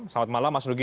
selamat malam mas nugi